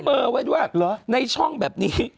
เบอร์ไว้ด้วยในช่องแบบนี้